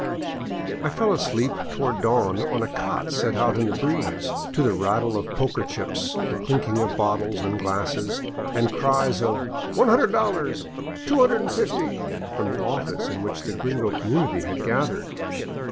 I fell asleep toward dawn on a cot set out in the breeze, to the rattle of poker chips, the clinking of bottles and glasses, and cries of " One hundred dollars !"" Two hundred and fifty !" from the " office " in which the gringo community had gathered.